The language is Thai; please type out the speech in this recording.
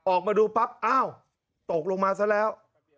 ออกมาดูปั๊บอ้าวตกลงมาซะแล้ว